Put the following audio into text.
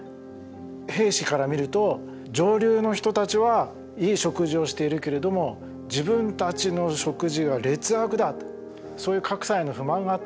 兵士から見ると上流の人たちはいい食事をしているけれども自分たちの食事は劣悪だとそういう格差への不満があったんですね。